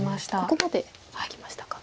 ここまでいきましたか。